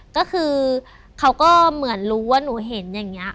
ก็คือเขาก็เหมือนรู้ว่าหนูเห็นอย่างนี้